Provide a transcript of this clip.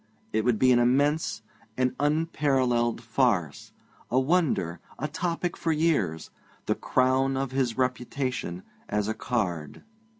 It would be an immense, an unparalleled farce; a wonder, a topic for years, the crown of his reputation as a card.